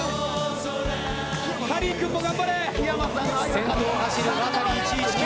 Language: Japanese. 先頭を走るワタリ１１９。